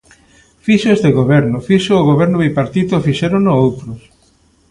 Fíxoo este goberno, fíxoo o Goberno bipartito e fixérono outros.